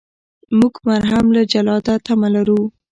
موږ مرهم له جلاده تمه لرو.